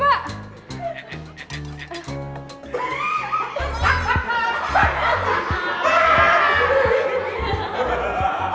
pak hati hati pak